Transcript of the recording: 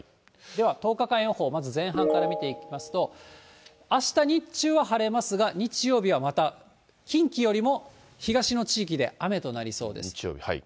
では、１０日間予報、まず前半から見ていきますと、あした日中は晴れますが、日曜日はまた、近畿よりも東の地域で雨となりそうです。